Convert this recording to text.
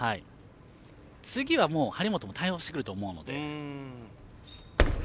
次はもう張本も対応してくると思うので。